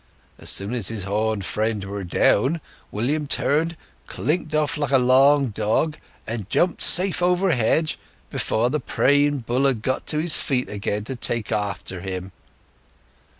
As soon as his horned friend were down, William turned, clinked off like a long dog, and jumped safe over hedge, before the praying bull had got on his feet again to take after him.